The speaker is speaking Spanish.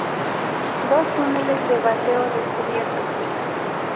Dos túneles de bateo descubiertos.